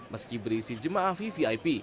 meski berisi jemaah hgvvip